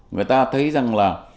người ta thấy rằng là